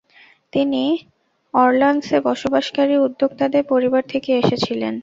তিনি অর্লানসে বসবাসকারী উদ্যোক্তাদের পরিবার থেকে এসেছিলেন।